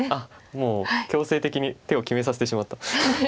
もう強制的に手を決めさせてしまった。